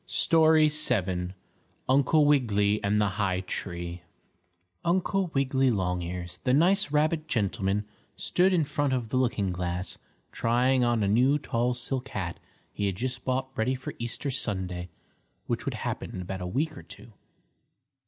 STORY VII UNCLE WIGGILY AND THE HIGH TREE Uncle Wiggily Longears, the nice rabbit gentleman, stood in front of the looking glass trying on a new tall silk hat he had just bought ready for Easter Sunday, which would happen in about a week or two.